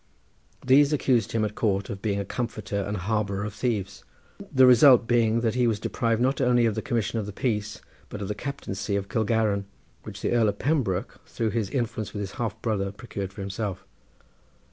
These accused him at court of being a comforter and harbourer of thieves, the result being that he was deprived not only of the commission of the peace but of the captaincy of Kilgarran which the Earl of Pembroke, through his influence with his half brother, procured for himself.